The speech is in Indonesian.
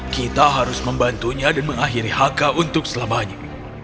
kita harus membantunya dan mengakhiri haka untuk selamanya